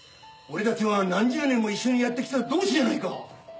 俺たちは何十年も一緒にやってきた同志じゃないか。